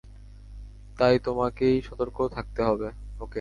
তাই তোমাকেই সতর্ক থাকতে হবে, ওকে?